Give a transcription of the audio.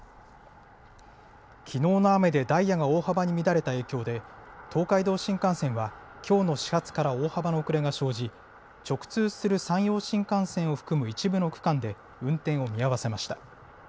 きのうの雨でダイヤが大幅に乱れた影響で東海道新幹線はきょうの始発から大幅な遅れが生じ、直通する山陽新幹線を含む一部の区間で運転を見合わせました。